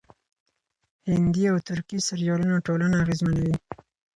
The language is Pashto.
هندي او ترکي سريالونه ټولنه اغېزمنوي.